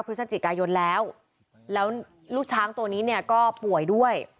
พฤศจิกายนแล้วแล้วลูกช้างตัวนี้เนี่ยก็ป่วยด้วย